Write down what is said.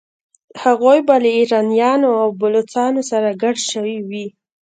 هغوی به له ایرانیانو او بلوڅانو سره ګډ شوي وي.